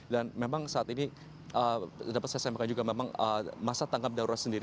dan memang saat ini dapat saya sampaikan juga memang masa tanggal bendaurah sendiri